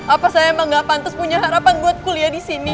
apa saya emang gak pantas punya harapan buat kuliah di sini